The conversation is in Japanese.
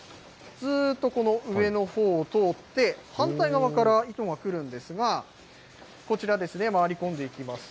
ずっとこの上のほうを通って、反対側から糸が来るんですが、こちらですね、回り込んでいきます。